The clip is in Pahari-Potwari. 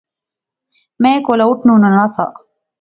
میں کولا اٹھنونا نہسا